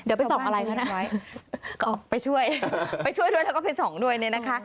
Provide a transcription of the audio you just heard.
เดี๋ยวไปส่องอะไรเขานะคะก็ไปช่วยไปช่วยด้วยแล้วก็ไปส่องด้วยเนี่ยนะคะ